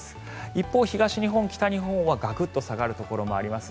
一方、東日本、北日本はガクッと下がるところもあります。